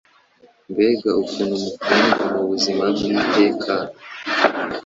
mbega ukuntu mukundwa mubuzima bw'iteka